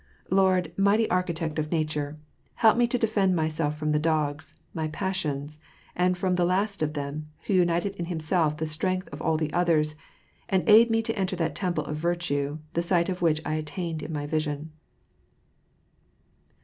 Lord, mighty Architect of Nature! help me to defend myself from the dogs — my passions — and from the last of them, who united in h*in<y*if the strength of all the others, and aid me to enter that temple of virtue, the sight of which I attained in my vision.